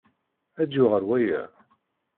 Ad d-yuɣal waya?